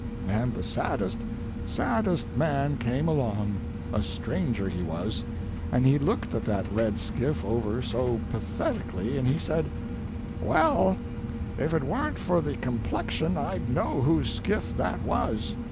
And the saddest, saddest man came along—a stranger he was—and he looked that red skiff over so pathetically, and he said: "Well, if it weren't for the complexion I'd know whose skiff that was."